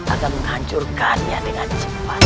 akan menghancurkannya dengan cepat